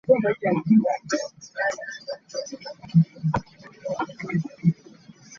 He was possibly trained as a metalworker.